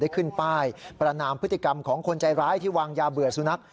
ขึ้นป้ายประนามพฤติกรรมของคนใจร้ายที่วางยาเบื่อสุนัข